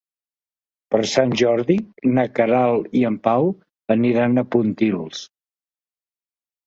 Per Sant Jordi na Queralt i en Pau aniran a Pontils.